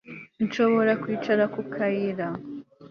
nshobora kwicara ku kayira